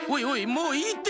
もういいって。